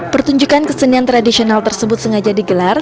pertunjukan kesenian tradisional tersebut sengaja digelar